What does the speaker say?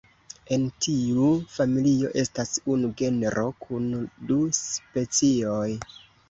En tiu familio estas unu genro kun du specioj.